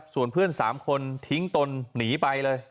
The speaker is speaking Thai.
ส่วนเพื่อน๓คนทิ้งตนหนีไปเลย